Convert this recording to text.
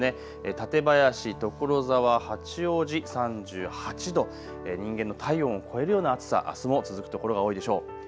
館林市、所沢、八王子、３８度、人間の体温を超えるような暑さあすも続く所が多いでしょう。